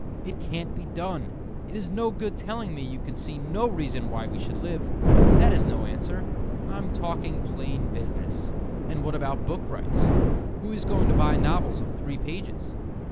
It can't be done. It is no good telling me you can see no reason why we should live. That is no answer. I'm talking plain business. And what about book rights? Who is going to buy novels of three pages?